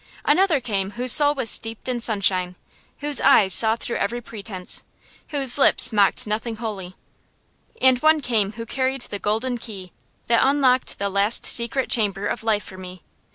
Another came whose soul was steeped in sunshine, whose eyes saw through every pretence, whose lips mocked nothing holy. And one came who carried the golden key that unlocked the last secret chamber of life for me.